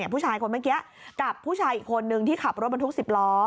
ผู้ชายคนเมื่อกี้กับผู้ชายอีกคนนึงที่ขับรถบรรทุก๑๐ล้อ